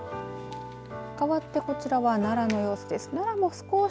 かわってこちらは、奈良の様子です。